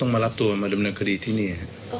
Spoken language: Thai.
มารับตัวมาดำเนินคดีที่นี่